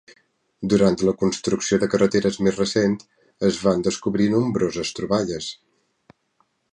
Durant la construcció de carreteres més recent es van descobrir nombroses troballes.